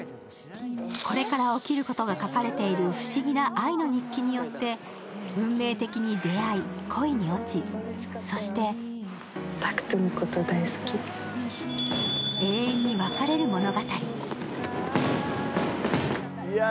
これから起きることが書かれている不思議な愛の日記によって運命的に出会い恋に落ち、そして永遠に別れる物語。